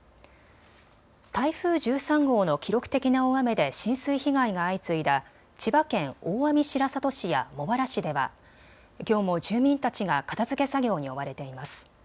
台風１３号の記録的な大雨で浸水被害が相次いだ千葉県大網白里市や茂原市ではきょうも住民たちが片づけ作業に追われています。